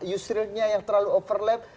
yusrilnya yang terlalu overlap